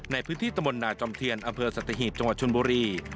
ในพื้นที่ตะมนตนาจอมเทียนอำเภอสัตหีบจังหวัดชนบุรี